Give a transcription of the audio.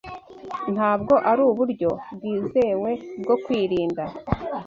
ntabwo ari uburyo bwizewe bwo kwirinda.